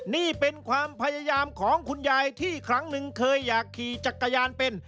นี่เป็นความพยายามของคุณยายที่ครั้งหนึ่งเคยอยากขี่จักรยานเป็น